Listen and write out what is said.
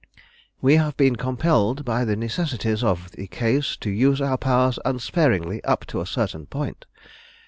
We have been compelled by the necessities of the case to use our powers unsparingly up to a certain point.